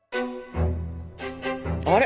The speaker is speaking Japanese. あれ？